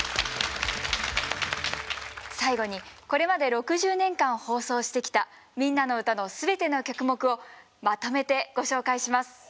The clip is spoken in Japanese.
最後にこれまで６０年間放送してきた「みんなのうた」の全ての曲目をまとめてご紹介します。